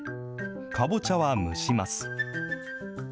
かぼちゃは蒸します。